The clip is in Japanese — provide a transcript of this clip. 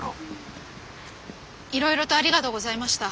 いろいろとありがとうございました。